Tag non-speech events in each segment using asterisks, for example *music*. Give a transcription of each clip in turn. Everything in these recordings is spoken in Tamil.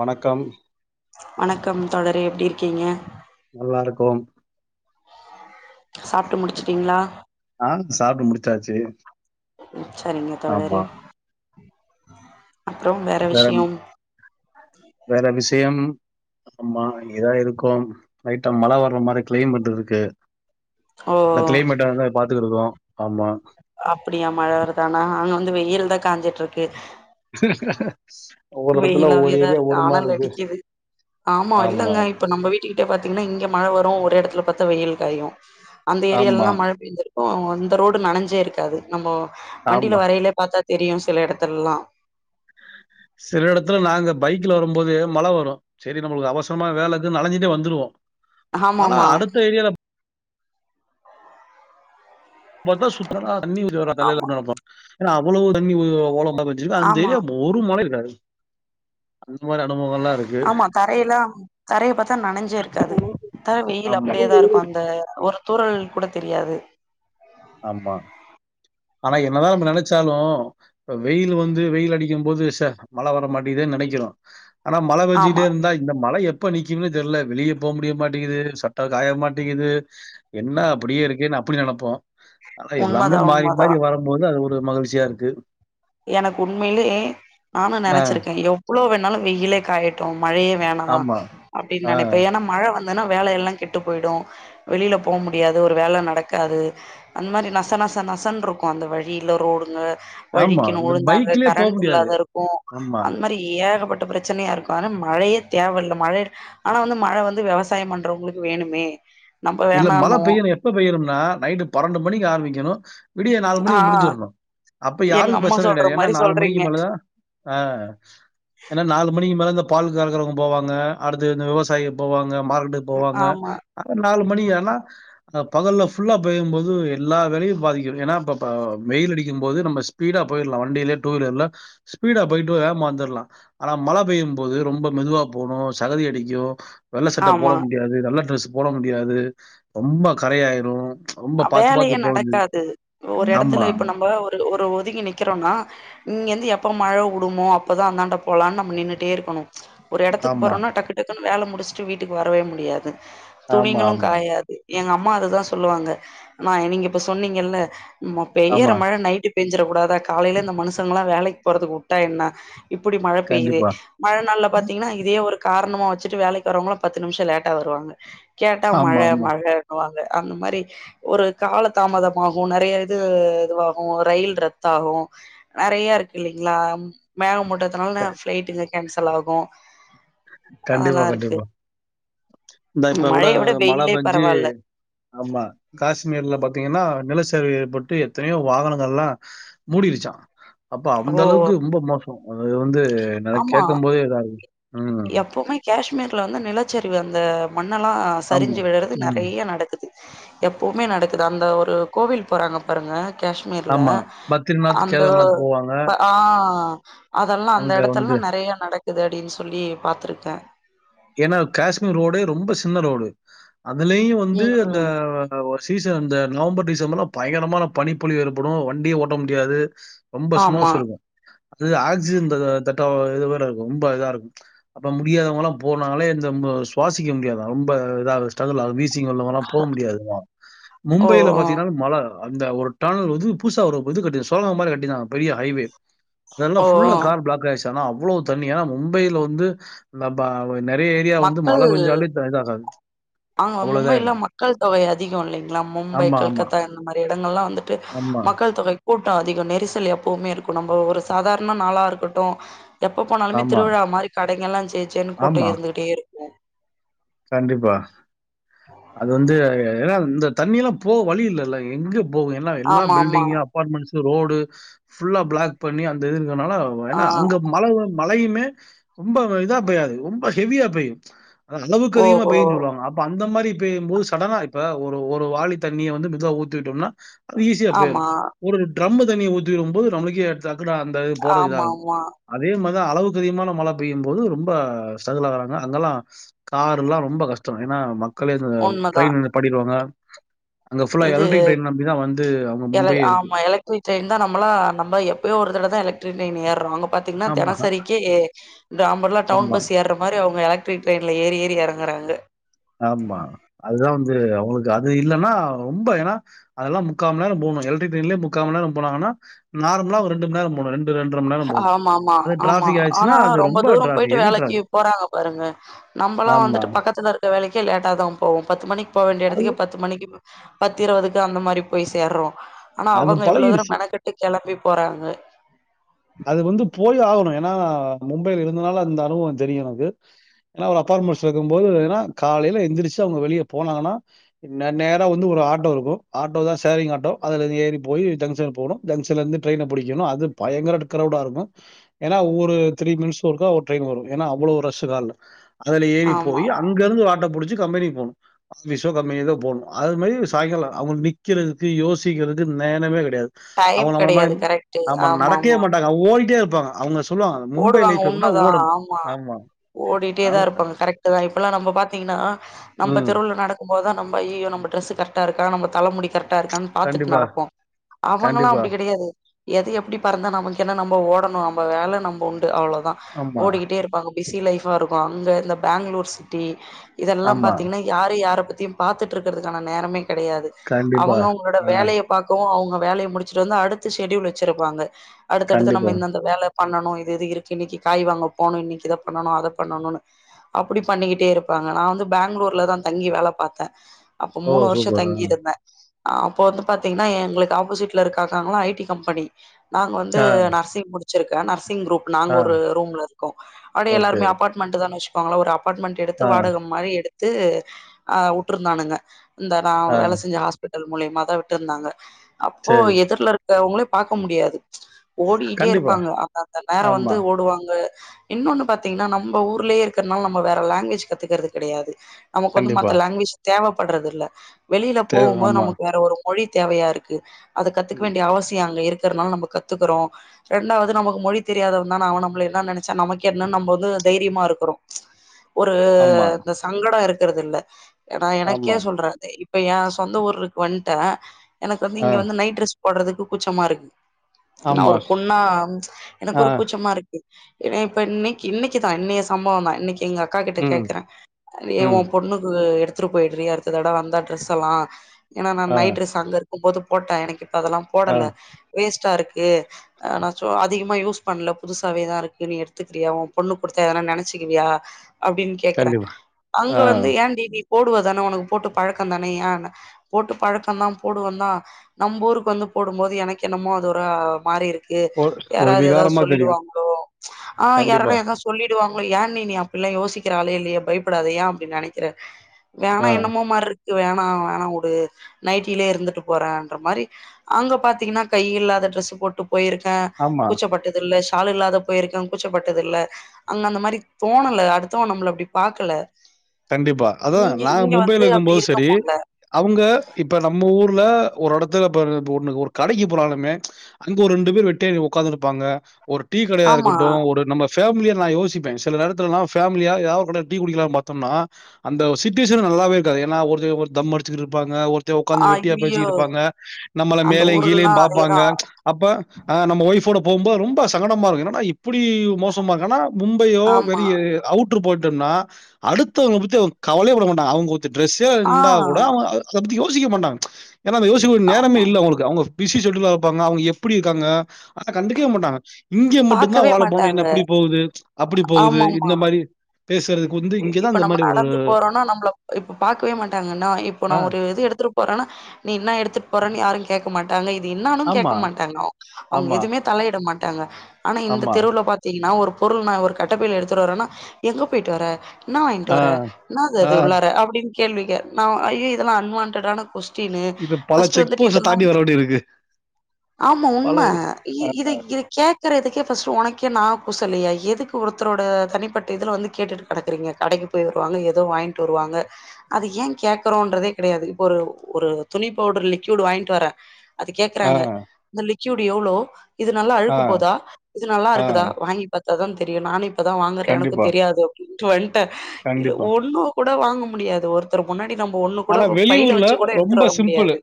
வணக்கம் வணக்கம் தோழரே எப்டி இருக்கீங்க நல்லாருக்கோம் சாப்ட்டு முடிச்சுட்டீங்ளா ஆ சாப்ட்டு முடிச்சாச்சு சரிங்க தோழரே ஆமா அப்ற வேற விஷய வேற விஷயம் ஆமா எதா இருக்கு லைட்டா மழ வர்ற மாரி கிளைமேட் இருக்கு ஓ இந்த கிளைமேட் வேற பாத்துருக்குறோ ஆமா அப்டியா மழ வருதானா அங்க வந்து வெயில் தா காஞ்சிட்டு இருக்கு ஒவ்வொரு இடத்துல ஒவ்வொரு வெயிலாவேதா ஏரியா இருக்கு ஒரு மாதிரி ஆனல் இருக்கு அடிக்குது ஆமா இல்லங்க இப்ப நம்ம வீட்டுக்கிட்ட பாத்தீங்னா இங்க மழ வரு ஒரு இடத்துல பத்தா வெயில் காயு அந்த ஆமா ஏரியாலல்லா மழ பெய்சிருக் இந்த ரோடு நனஞ்சே இருக்காது நம்போ வண்டியில ஆமா வரயில பாத்தா தெரியு சில இடத்துல்லா சில இடத்துல நாங்க பைக்ல வரும்போது மழ வரு செரி நம்மளுக் அவசரமா வேலகுது நனஞ்சிட்டே வந்துருவோ ஆமா ஆனா ஆமா அடுத்த ஏரியால பாத்த சுத்தமா *inaudible* ஆமா நெனப்போ ஏன அவளோ தண்ணி உ *unintelligible* வெச்சின்னா அந்த ஆமா ஏரியா ஒரு மழை இருக்காது அந்த மார் இடமு ஆமா தரைல்லா தரைய பத்தா நனஞ்சே இருக்காது பத்தா வெயில் ஆமா அப்டியேதா இருக்கு அந்த ஒரு தூறல் கூட தெரியாது ஆமா ஆனா என்னதா நம்ம நெனச்சாலு வெயில் வந்து வெயில் அடிக்கும் போது ச மழ வர மாட்டிகிதேன் நெனைக்கிறோ ஆனா மழ பெஞ்சுட்டே ஆமா இருந்தா இந்த மழை எப் எப்ப நிக்கிம்னே தெர்ல வெளிய போக முடிய மாட்டிகிகுது சட்ட காய மாட்டிகிகுது என்ன அப்டியே இருக்கேன்னு அப்டி நெனப்போ ஆனா எல்லாமே உண்மதா மாறி உண்மதா மாறி வரும்போது அது ஒரு மகிழ்ச்சியா இருக்கு எனக்கு உண்மையிலே நானு ஆ, நெனச்சிருக்கே எவ்ளோ வேன்னாலு வெயிலே காயட்டு மழையே வே ணா ஆமா. அப்டின் ஆ, நெனப்ப ஏன்னா மழ வந்தன்னா வேல எல்லா கெட்டு போயிடு வெளில போ முடியாது ஒரு வேல நடக்காது அந்த மாரி நச நச நசன்ட்ருக்கு அந்த வழியில ரோடுங்க ஆமா. வழிக்குணு இந்த வுழுந்தாங்க பைக்லயே போ கரண்ட் முடியாது. இல்லாத இருக்கு ஆமா. அந்த மாரி ஏகப்பட்ட பிரச்சனையா இருக்கு அதனால மழையே தேவயில்ல மழ ஆனா வந்து மழ வந்து விவசாயம் பண்றவங்களுக்கு வேணுமே நம்ம இல்ல மழ வேணான்னுவோ பெய்யணு எப்ப பெய்யணும்னா நைட்டு பன்னெண்டு மணிக்கு ஆரம்பிக்கணு விடிய நாலு ஆ மணிக் முடிஞ்சிர்ணு அப்ப எங்க யாருக்கு அம்மா பிரச்சன சொல்ற கெடையாது ஏன்னா மாரி நாலு மணிக்கு சொல்றீங்க மேலதா ஆ ஏன்னா நாலு மணிக்கு மேல இந்த பாலு கறக்குறவுங்க போவாங்க அடுத்து இந்த விவசாயிக போவாங்க மார்க்கெட்டுக்கு போவாங்க ஆமா நாலு மணியனா பகல்ல ஃபுல்லா பெய்யும்போது எல்லா வேலையு பாதிக்கு ஏன்னா இப்ப வெயில் அடிக்கும் போது நம்ம ஸ் பீடா போயிர்லா வண்டிலே டூ வீலர்ல ஸ்பீடா போயிட்டு வேகமா வந்துர்லா ஆனா மழ பெய்யும் போது ரொம்ப மெதுவா போணு சகதி அடிக்கு வெள்ள சட்டை போட ஆமா முடியாது நல்ல ட்ரெஸ் போட முடியாது ரொம்ப கரையாயிரு வேலையே நடக்காது ஒரு ஆமா, இடத்துல இப்ப ம். நம்ம ஒரு ஒரு ஒதுங்கி நிக்கிறோம்னா இங்கெந்து எப்ப மழ வுடுமோ அப்பதா அந்தாண்ட போலான் நம்ம நின்னுட்டே இருக்கணு ஒரு இடத்துக்கு ஆமா, போறோன்னா டக்கு டக்குன்னு வேல முடிச்ட்டு வீட்டுக்கு வரவே முடியாது ஆமா, துணிங்களு ஆமா, காயாது எங்க அம்மா அதுதா சொல்லுவாங்க அண்ணா நீங்க இப்ப சொன்னீங்கல்ல பெய்யற ஆமா. மழ நைட்டு பெஞ்சிர கூடாதா காலையில இந்த மனுஷங்லா வேலைக்கு போறதுக்கு உட்டா என்ன இப்புடி மழ பெய்யுதே கண்டிப்பா. மழ நாள்ல பாத்தீங்னா இதே ஒரு காரணமா வச்சுட்டு வேலைக் வரவுங்லா பத்து நிம்ஷோ லேட்டா வருவாங்க கேட்டா மழ ஆமா, ஆமா. மழண்ணுவாங்க அந்த மாரி ஒரு கால தாமதமாகு நெறைய இது இதுவாகு ரயில் ரத் ஆகு நறைய இருக்கு இல்லைங்ளா மேக மூட்டதுனால ஃபிளைட்டு இங்க கேன்சல் ஆகு கண்டிப்பா அதெல்லா இருக்கு கண்டிப்பா இந்த இப்ப கூட மழைய விட மழ வெயிலே பெஞ்சி பரவால்ல ஆமா காஷ்மீர்ல பாத்தீங்கன்னா நிலச்சரிவு ஏற்பட்டு எத்தனையோ வாகனங்கல்லா மூடிடுச்சா அப்போ அந்த ஓ அளவுக்கு ரொம்ப மோசோ அது வந்து என்னால கேக்கும் போதே இதா இருக்குது எப்போமே காஷ்மீர்ல வந்து நிலச்சரிவு அந்த மண்ணெல்லா ஆமா சரிஞ்சு விழறது ம் நெறய நடக்குது எப்போமே நடக்குது அந்த ஒரு கோவில் போறாங்க பாருங்க காஷ்மீர்ல ஆமா பத்ரிநாத் அந்த கேதார்நாத் போவாங்க ஆ அதெல்லா அந்த அங்க எடத்தல்லா வந்து நறைய நடக்குது அப்டின் சொல்லி பாத்துருக்கே ஏனா காஷ்மீர் ரோடே ரொம்ப சின்ன ரோடு அதுலயு வந்து அந்த ம். அ ஒரு சீசன் அந்த நவம்பர் டிசம்பர்லா பயங்கரமான பனிப்பொழிவு ஏற்படு வண்டியே ஓட்ட முடியாது ரொம்ப ஆமா. சுமோஸ் இருக்கு அது ஆக்சிஜன் தத தட்ட இது வேற இருக்கு ரொம்ப இதா இருக்கு அப்ப முடியாதவங்கலா போனாலே இந்த சுவாசிக்க முடியாத ரொம்ப ஸ்ரகுலா வீஸ் சீங் வந்தவங்கலா போ முடியாதுதா ஓ! மும்பைல பாத்தீங்னா ஓ! மழ அந்த ஒரு டேனல் வது பூசா ஒரு இது கட்ட சோழங்க மாரி கட்டினா பெரிய ஹைவே அதெல்லா ஓ! ஃபுல்ல கார் பிளாக்காய்ச்சி ஆனா அவ்ளோ தண்ணி எனா மும்பையில வந்து நா பா இப்ப நறைய ஏரியா வந்து மழ பெஞ்சாலே டைடா ஆகாது ஆங்க மும்பைல மக்கள் தொகை அதிகோ இல்லிங்ளா மும்பை ஆமா, ஆமா, கல்கத்தா அந்த மாரி இடங்கல்லா வந்துட்டு ஆமா, மக்கள் தொகை கூட்டோ அதிக நெரிசல் எப்பவுமே இருக்கு நம்ப ஒரு சாதாரண நாளா இருக்கட்டு எப்போ போனாலுமே ஆமா, திருவிழா மாரி கடைங்கெல்லா ஜேஜேன்னு கூட்ட ஆமா. இருந்துகிட்டே இருக்கு கண்டிப்பா அது வந்து ஏனா இந்த தண்ணிலா போக வழி இல்லல்ல எங்க போகு எல்லா எல்லா ஆமா ஆமா பில்டிங் அப்பாட்மெண்ட்ஸ் ரோடு ஃபுல்லா பிளாக் பண்ணி அந்த இது இர்கன்னால ஆ ஏனா அங்க மழ மழயுமே ரொம்ப இதா பெய்யாது ரொம்ப ஹெவியா பெய்யு அளவுக்கு அதிகமா ஓஹோ பெய்யுஞ் சொல்லுவாங்க அப்ப அந்த மாரி பேயும் போது சடனா இப்ப ஒரு ஒரு வாலி தண்ணிய வந்து மெதுவா ஊத்தி விட்டோனா அது ஈஸியா போயிடு ஆமா ஒரு ட்ரம்மு தண்ணிய ஊத்தி விடும் போது நம்ளுக்கே அட் டக்குனு அந்த இது போட இதா ஆமா இருக் ஆமா அதே மார்தா அளவுக்கு அதிகமான மழ பெய்யு போது ரொம்ப ஸ்ரகுல் ஆகுறாங்க அங்கல்லா காருல்லா ரொம்ப கஷ்ட்டோ ஏனா மக்களே அங்க உண்மதா ட்ரெயின் நிப்பாட்டிடுவாங்க அங்க ஃபுல்லா இது எலக்ட்ரிக் ட்ரெயின் நம்பிதா வந்து அவுங்க மும்பையே இருக் இனி ட்ரெயின் தா நம்மலா நம்ம எப்பயோ ஒரு தடதா எலக்ட்ரி ட்ரெயின் ஏற்றோ அங்க பாத் திங்னா ஆமா, தெனசரிக்கி நாம்பர்லா டவுன் ஆமா, பஸ் ஏற மாரி அவுங்க எலக் ட்ரிக் ட்ரெயின்ல ஏறி ஏறி எறங்குறாங்க ஆமா அதுதா வந்து அவுங்ளுக்கு அது இல்லன்னா ரொம்ப ஏனா அதெல்லா முக்காமந்நேரோ போனோ எலக்ட்ரிக் ட்ரெயின்லே முக்காமண்ணேரோ போனாங்கனா நார்மலா ஒரு ரெண்டு மண்ணேரோ போனு ரெண் ஆமாமா ஆமா ஆயிருச்சுன்னா, ஆனா அது ரொம்ப தூரோ டிராஃபிக், போயிட்டு ஹெவி வேலைக்கி டிராஃபிக். போறாங்க பாருங்க நம்பலா ஆமா. வந்துட்டு பக்கத்துல இரு இந்த வேலைக்கே லேட்டா தா போவோ பத்து மணிக்கு போ வேண்டிய அது எடத்துக்கே பத்து மணிக்கி பத்து இருவதுக்கு அந்த மாரி போய் சேர்றோ ஆனா அது அவங்க இவ்ளோ தூரோ பழகிடுச்சு. மெனக்கெட் டு கெளம்பி போறாங்க அது வந்து போய் ஆவணு ஏன்னா மும்பையில இருந்ததுனால அந்த அனுபவோ தெரியு எனக்கு ஏனா ஒரு அப்பார்மெண்ட்ஸ்ல இருக்கும் போது ஏன்னா காலையில எந்திரிச்சி அவுங்க வெளியப் போனாங்கனா நே நேரா வந்து ஒரு ஆட்டோ இருக்கு ஆட்டோ தா சேரிங் ஆட்டோ அதுலந்து ஏறி போயி ஜங்ஷன் போணு ஜங்ஷன்லர்ந்து ட்ரெயின புடிக்கணு அது பயங்கர கிரவுடா இருக்கு ஏனா ஒவ்வொரு த்ரீ மினிட்ஸ் ஒருக்கா ஒரு ட்ரெயின் வரு ஏன்னா அவ்ளோ ரஷு கால்ல அதுல ஏறி ஆமா போய் அங்கருந்து ஒரு ஆட்டோ புடிச்சு கம்பெனிக்கு போணு விஷ்வ கம்பெனி தா போணு அது மாரி சாயங்காலோ அவுங்களுக்கு நிக்கிறதுக்கு யோசிக்கிறதுக்கு நேரமே கெடையாது டைம் அவுங்க நம்ம மாரி கெடையாது கரெக்ட் நம்ம ஆமா நடக்கவே ஆமா மாட்டாங்க ஓடிட்டே இருப்பாங்க அவுங்க சொ ஓடுவாங்க உண்மதா ஆமா ஓடிட்டே தா ஆமா. இருக்கணு கரெக்ட்டு தா இப்பெல்லா நம்ம பாத்தீங்ன்னா நம்ம ம். தெருல நட க்கு போதா நம்ப அய்யய்யோ நம்ப ட்ரெஸு கரெக்ட்டா இருக்கா நம்ப தல முடி கரெக்ட்டா இருக்கானு பாத்துட்டு கண்டிப்பா, நடப்போ அவங்கல்லா கண்டிப்பா. அப்டி கெடையாது எது எப்டி பறந்தா நமக்கு என்ன நம்ம ஓடனோ நம்ம வேல நம்ம உண்டு அவ்ளோதா ஆமா, ஓடிக்கிட்டே இருப்பாங்க பிஸி லைஃபா இருக்கு அங்க இந்த பேங்களூர் சிட்டி இதெல்லா ஆமா. பாத்தீங்ன்னா யாரு யார பத்தியு பாத்துட்டு இருக்கிறதுக்கான நேரமே கெடையாது கண்டிப்பா. அவங்க அவங்களோட ஆ, வேலைய பார்கவு அவங்க வேலைய முடிச்சுட்டு வந்து அடுத்த ஷெடியூல் வச்சிருப்பாங்க அடுத்தடுத்து கண்டிப்பா. நம்ம இந்தந்த வேல பண்ணணு இது இருக்கு இன்னிக்கி காய் வாங்க போனு இன்னிக்கி இத பண்ணணு அத பண்ணணும்னு அப்டி பண்ணிக்கிட்டே இருப்பாங்க நா வந்து பெங்களூர்லதா தங்கி வேல பாத்த அப்போ ஓ! மூணு வருஷோ சூப்பர். ஆ, தங்கியிருந்த அப்போ வந்து பாத்தீங்ன்னா எங்களுக்கு ஆப்போசிட்ல இருக்காக்காங்களா ஐ டி கம்பெனி நாங்க வந்து ஆ, நர்சிங் முடிச்சிருக்க நர்சிங் குரூப் நாங்க ஆ, ஒரு ரூம்ல இருக்கோ அப்டியே ஓகே. எல்லாருமே அபார்ட் மென்ட்டு தா வச்சுக்கோங்கள ஒரு அபார்ட்மெண்ட் எடுத்து ஆ, வாடக மாரி எடுத்து அ உட்டுருந்தானுங்க இந்த நா ஆ, வேல செஞ்ச ஹாஸ்பிட்டல் மூலியமாதா விட்டு இருந்தாங்க அப்போ சரி. எதிர்ல இரு அவுங்களே பாக்க முடியாது ச் ஓடிட்டே கண்டிப்பா. இருப்பாங்க அந்த அந்த நேரோ வந்து ஆமா, ஓடுவாங்க இன்னொன்னு பாத்தீங்ன்னா நம்ம ஊர்லயே இருக்கிறனால நம்ம வேற லாங்குவேஜ் கத்துக்கறது கெடையாது நமக்கு வந்து கண்டிப்பா. மத்த லாங்குவேஜ் தேவைப்பட்றது இல்ல வெளியில தேவ் போகும்போது ஆமா, நமக்கு வேற ஒரு மொழி தேவயா இருக்கு அத கத்துக்க ம். வேண்டிய அவசியோ அங்க இருக்கிறனால நமக்கு கத்துக்குறோ ரெண்டாவது நமக்கு மொழி தெரியாதவ தா அவ நம்மள என்னா நெனச்சா நமக்கு என்னன்னு நம்ம வந்து தைரியமா இருக்குறோ ச் ஒரு ஆமா, இந்த சங்கடோ இருக்கிறது இல்ல ஏன்னா எனக்கே ஆமா. சொல்ற இப்ப ஏ சொந்த ஊருக்கு வந்துட்ட எனக்கு வந்து ஆ, இங்க வந்து நைட் ட்ரஸ் போடுறதுக்கு கூச்சமா இருக்கு நா ஆமா. ஒரு பொண்ணா ச் எனக்கு ஆ, ஒரு கூச்ச இருக்கு ஏ இப்ப இன்னைக்கு இன்னைக்கு தா இன்னய சம்பவோ தா இன்னைக்கு எங்க அக்கா கிட்ட ம், கேக்குறே ஏய் ஒ ம். பொண்ணுக்கு எடுத்துட்டு போயிடுறி அடுத்த தட வந்தா ட்ரெஸ் எல்லா ஏன்னா நா ஆ, நைட் ட்ரெஸ் அங்க இருக்கு போது போட்டே எனக்கு இப்ப அதெல்லா ஆ, போடல வேஸ்ட்டா இருக்கு அதிகமா யூஸ் பண்ணல புதுசாவேதா இருக்கு நீ எடுத்துக்கிறியா ஒ பொண்ணுக்கு கொடுத்தான ஏதா நெனச்சிக்கிவியா அப்டின் கேக்குறே கண்டிப்பா. அங்க ஆ, வந்து ஏ டி நீ போடுவ தானே உனக்கு போட்டு பழக்கம் தானே ஏ ‍போட்டு பழக்கோ தா போடுவதா நம்ம ஊருக்கு வந்து போடும் போது எனக்கு என்னமோ அது ஒரு மாரி இருக்கு ஒரு ஒரு யாராவது ஏதாவது விகாரமா தெரியும். சொல்லிடுவாங்களோ ச் ஆ யார கண்டிப்பா. ஏத சொல்லிடுவாங்களோ எ நீ அப்டில்லா யோசிக்கிற ஆளே இல்லையே பயப்படாத ஏ அப்டி நெனைக்கிற வேணா ஆ, என்னமோ மாரி இருக்கு வேணா வேணா வுடு நைட்டிலயே இருந்துட்டு போறேன்ற மாரி அங்க பாத்தீங்கன்னா கை இல்லாத டிரெஸ் போட்டு போயிருக்கே ஆமா. கூச்சப்பட் தில்ல ஷால் இல்லாத போயிருக்க கூச்சப்பட்டதில்ல அங்க அந்த மாதிரி தோணல அடுத்தவ நம்மள அப்டி பாக்கல கண்டிப்பா அதா இங்க நாங்க இங்க வந்து மும்பையில அப்டி இருக்கும்போது இருக்க செரி முடில அவுங்க இப்ப நம்ம ஊர்ல ஒரு எடத்துல இப்ப ஒண்ணு ஒரு கடைக்கு போனாலுமே அங்க ஒரு ரெண்டு பேர் வெட்டியா உட்காந்து இருப்பாங்க ஒரு டீ கிடையா ஆமா இருக்கட்டு ஒரு நம்ம ஃபேமிலியா நா யோசிப்பே சில நேரத்துல நா ஃபேமிலியா ஏதாவது ஒரு டீ குடிக்கலா னா அந்த சிச்சுவேஷன் நல்லாவே இருக்காது ஏன்னா ஒரு தம் அடுச்சிட்டு இருப்பாங்க ஒரு உட்க்காந்து வெட்டியா ஐயயோ பேசிட்டு இருப்பாங்க நம்மள அந்த மேலயு ஊர்லல்லா கீழேயு பாப்பாங்க அதேதா ச் அப்ப அ நம்ம ஒய்ஃபோட போம்போது ரொம்ப சங்கடமா இருக்கு ஏன்னடா இப்டி மோசமா இருக்கன்னா மும்பையோ ஆமா வெளிய அவுட்ரு போய்டேனா அடுத்தவன பத்தி அவ கவலையேப்பட மாட்டாங்க அவுங்க ட்ரெஸ்ஸோ ஆ இருந்தா கூட யோசிக்க மாட்டாங்க யோசிக்க நேரமே ஆமா இல்லங்களுக்கு அவங்க பிசி ஸ்டேடியுலா இருப்பாங்க அவங்க எப்டி இருக்காங்க ஆனா கண்டுக்கவே மாட்டாங்க இங்க மட்டுதா பாக்கவே ஒரு ஆள போனா மாட்டாங்க என்ன இப்டி போகுது அப்டி போகுது ஆமாமா இந்த மாரி பேசுறதுக்கு வந்து இங் இப்ப நம்ம நடந்து போறோனா நம்பள இப்ப பாக்கவே மாட்டாங்க என்னா இப்ப நா ஆ, ஒரு இது எடுத்துட்டு போறானா நீ என்ன எடுத்துட்டு போறனு யாரு கேக்க மாட்டாங்க இது என்னானு ஆமா, கேக்க மாட்டாங்க அவூங்க ஆமா, எதுவுமே தலையிட மாட்டாங்க ஆனா இந்த ஆமா. தெருவுல பாத்தீங்கன்னா ஒரு பொருள் நா ஒரு கட்டப்பையில எடுத்துட்டு வரேன்னா எங்க போயிட்டு வர என்னா வாங்கிட்டு ஆ, வர என்னாது ஆ. அது உள்ளார அப்டின்னு கேள்விக்கே நா ஐயயோ இதெல்லா அன்வான்டடான கொஸ் டினு இது பல ஃபஸ்ட்டு செக் வந்துட்டு போஸ்ட்ட இதெல்லாம் தாண்டி வர வேண்டியிருக்கு. ஆமா பல உண்ம ஆ, இத இத கேக்குறதுக்கே ஃபஸ்ட் உனக்கே நா கூசலியாய எதுக்கு ஒருத்தரோட தனிப்பட்ட இதுல வந்து கேட்டுட்டு கெடக்குறீங்க கடைக்கு போய் வருவாங்க எதோ வாங்கிட்டு வருவாங்க அது ஏ கேக்குறோன்றதே கெடையாது இப்போ ஒரு ஒரு துணி பவுடர் லிக்விடு வாங்கிட்டு வரே அது ஆ, கேக்குறாங்க இந்த லிக்விட் எவ்ளோ இது நல்லா ஆ, அழுக்கு போதா இது நல்லா ஆ. இருக்குதா வாங்கி த்தா தா தெரியு நானு இப்பதா வாங்குறே எனக்கு கண்டிப்பா, தெரியாது அப்டின்ட்டு வந்துட்டே இல்ல கண்டிப்பா. ஒண்ணு கூட வாங்க முடியாது ஒரு த்தர் முன்னாடி நம்ம ஒண்ணு கூட ஆனா பையில வெளியூர்ல வச்சு கூட ரொம்ப எடுத்துட்டு வர சிம்பிளு முடியாது.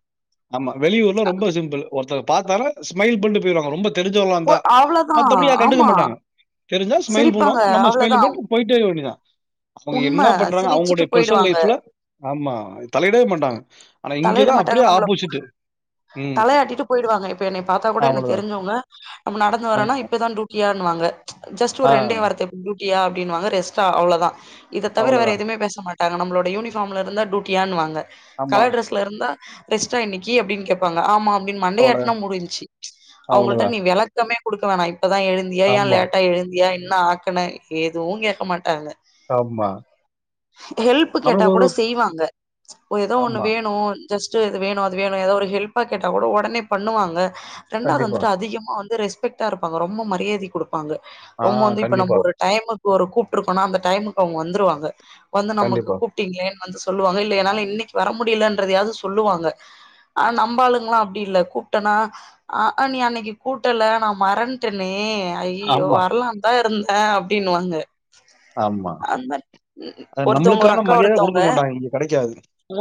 ஆமா வெளியூர்ல ரொம்ப சிம்பிள் ஒருத்தர் பார்த்தால ஸ்மைல் பண்ண போயிடுவாங்க ரொம்ப தெரிஞ்சவங்கலா போ இருந்தா அவ்ளதான். மத்தபடி யா கண்டுக்க ஆமா. மாட்டாங்க தெரிஞ்சா ஸ்மைல் சிரிப்பாங்க. பண்ணுவாங்க நம்ம அவ்ளதான். ஸ்மைல் பண்ணிட்டு போயிட்டே இருக்க வேண்டிதா அவுங்க உண்ம என்ன பண்றாங்க சிரிச்சுட்டு அவுங்களுடைய பர்சனல் போயிடுவாங்க லைஃப்ல ஆமா தலையிடவே மாட்டாங்க ஆனா தலையிட இங்கதா மாட்டாங்க அப்டியே நம்மள ஆப்போசிட்டு தலையாட்டிட்டு போயிடுவாங்க இப்ப என்னை பார்த்தா கூட எனக்கு அவ்வளவுதான் தெரிஞ்சவுங்க நம்ம நடந்து ஆ, வரேன்னா இப்பதா டியூடியானு வாங்க ஜஸ்ட் ஒரு ஆ, ரெண்டே வாரத்து டியூட்டியா அப்டினுவாங்க ரெஸ்டா அவ்ளோதா இதை தவிர வேற அவ்வளவுதான் எதுமே பேச மாட்டாங்க நம்மளோட யூனிஃபார்ல இருந்தா டயூடியானுவாங்க ஆமா கலர் ட்ரஸ் ல இருந்தா ரேஸ்டா இன்னிக்கு அப்டினு கேப் பாங்க ஆமா அப்டின்னு அவ்வளவுதான் மண்டையாட்டன முடிஞ்சு அவங்கள்ட அவ்வளவுதான் நீ விளக்கமே கொடுக்க வேணா இப்பதா எழுந் ஏயா ஆமா லேட்டா எழுந்தியா என்ன ஆக்கண எதுவு கேட்க மாட்டாங்க ஆம்மா ஹெல்பு கேட்டா கூட செய்வாங்க ஒ ஏதோ ஒண்ணு ஆமா வேணு ஜஸ்ட் இது வேணு அது வேணு ஏதா ஒரு ஹெல்ப்பா கெட்டா கூட ஒடனே பண்ணுவாங்க ரெண்டாவது கண்டிப்பா வந்துட்டு அதிகமா வந்து ரெஸ்பெக்ட்டா இருப்பாங்க ரொம்ப மரியாதி கொடுப்பாங்க ஆ ரொம்ப வந்து இப்ப கண்டிப்பா நம்ம ஒரு டைமுக்கு ஒரு கூப்ட்டு இருக்கோனா அந்த டைம்கு அவுங்க வந்துருவாங்க வந்து நமக்கு கண்டிப்பா கூப் டிங்ளேன்னு வந்து சொல்லுவாங்க இல்ல எனால இன்னைக்கு வர முடியலன்றதையாவது சொல்லுவாங்க ஆ நம்பாளுங்களா அப்டி இல்ல கூப்டனா ஆ ஆ நீ அன்னைக்கு கூட்டல நா மறன்டனே ஐய்யயோ ஆமா வரலான் தா இருந்தே அப்டின்னுவாங்க ஆமா அந்த மாரி அது ஒருத்தவங்க ஒரு நம்பளுக்கான அக்கா மரியாத ஒருத்தவங்க கொடுக்க மாட்டாங்க இங்க கிடைக்கா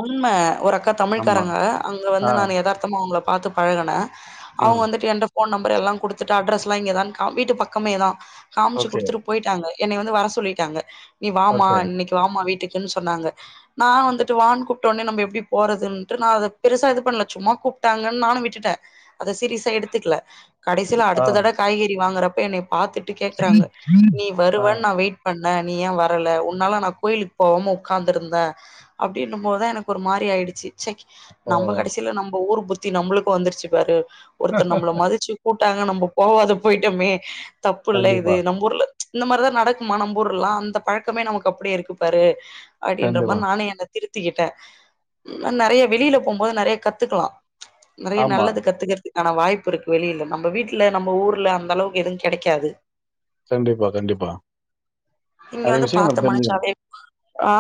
உண்ம ஒரு அக்கா தமிழ்காரங்க அங்க வந்து ஆ நானு எதார்த்த மா அவங்கள பாத்து பழகுன அவுங்க ம் வந்துட்டு என்ட ஃபோன் நம்பர் எல்லா கொடுத்துட்டு அட்ரேஸ் எல்லா இங்கதா கா வீட்டு பக்கமே தா காமிச்சு ஓகே குடுத்துட்டு போயிட்டாங்க என்ன வந்து வர சொல்லிட்டாங்க நீ வாம ஓகே இன்னைக்கு வாமா வீட்டுக்குன்னு சொன்னாங்க நா வந்துட்டு வான்னு கூப்டடோனே நம்ப எப்டி போறதுன்னட்டு நா அத பெருசா இது பண்ணல சும்மா கூப்பிட்டாங்கன்னு நானு விட்டுட்டே அத சீரீஸா எடுத்துக்கல கடைசியில ஆ அடுத்த தட காய்கறி வாங்குறப்ப என்னய பாத்துட்டு கேக்குறாங்க நீ ஆ வருவனு நா வெயிட் பண்ணே நீ ஏ வர் வரல உன்னால நா கோயிலுக்கு போவாம உட்காந்திருந்தே அப்டின்னும் போதுதா எனக்கு ஒரு மாரி ஆயிடுச்சு சய் ஓ நம்ப கடைசில நம்ப ஊர் புத்தி நம்பளுக்கும் வந்துருச்சி பாரு ஒருத்தர் நம்பள மதிச்சு கூட்டாங்க நம்போ போவாத போயிட்டமே தப்பு இல்ல இது கண்டிப்பா நம்ப ஊர்ல இந்த மாரிதா நடக்குமா நம்ப ஊர்ல்லா அந்த பழக்கமே நமக்கு அப்டியே இருக்கு பாரு அப்டின்ற கண்டிப்பா மாரி நானே என்ன திருத்திக்கிட்டே நறைய வெளியில போம்போது நறைய கத்துக்கலா நெறைய ஆமா நல்லது கத்துக்கறதுக்கு ஆனா வாய்ப்பு இருக்கு வெளியில நம்ம வீட்டுல நம்ம ஊர்ல அந்த அளவுக்கு எதுவு கெடைக்காது கண்டிப்பா கண்டிப்பா இங்க நெறைய வந்து விஷயங்கள் பாத்த நம்ம தெரிஞ்சுக்கணும். மனுசாவே ஆ